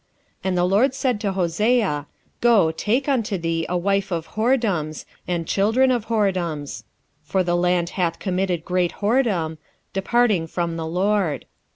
And the LORD said to Hosea, Go, take unto thee a wife of whoredoms and children of whoredoms: for the land hath committed great whoredom, departing from the LORD.